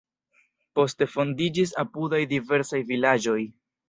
Poste fondiĝis apudaj diversaj vilaĝoj.